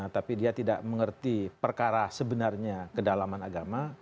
tapi dia tidak mengerti perkara sebenarnya kedalaman agama